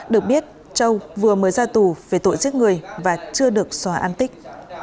được biết châu vừa mới ra tù về tội giết người và chưa được xóa an tích